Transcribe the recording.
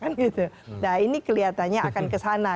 nah ini kelihatannya akan kesana